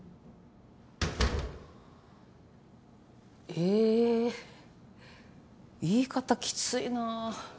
えー言い方きついな。